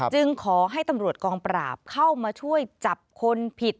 จึงขอให้ตำรวจกองปราบเข้ามาช่วยจับคนผิด